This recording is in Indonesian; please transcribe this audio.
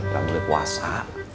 gak boleh puasa